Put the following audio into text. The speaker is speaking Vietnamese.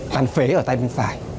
bàn phế ở tay bên phải